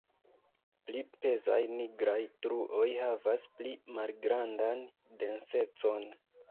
Pli pezaj nigraj truoj havas pli malgrandan densecon.